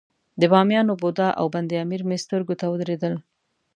د بامیانو بودا او بند امیر مې سترګو ته ودرېدل.